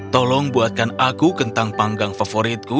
tolong buatkan aku kentang panggang favoritku